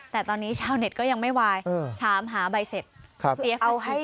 แต่ตอนนี้ชาวเน็ตก็ยังไม่วายถามหาใบเสร็จเอาให้